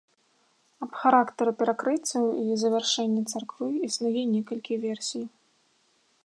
Аб характары перакрыццяў і завяршэння царквы існуе некалькі версій.